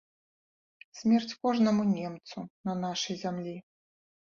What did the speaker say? Смерць кожнаму немцу на нашай зямлі!